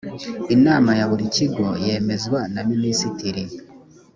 inama ya buri kigo yemezwa na minisitiri